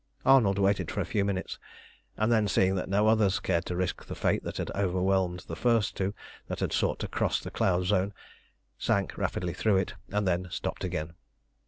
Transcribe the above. Arnold waited for a few minutes, and then, seeing that no others cared to risk the fate that had overwhelmed the first two that had sought to cross the cloud zone, sank rapidly through it, and then stopped again.